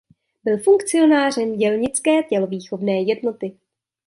Byl funkcionářem Dělnické tělovýchovné jednoty.